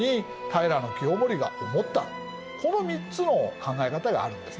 この３つの考え方があるんですね。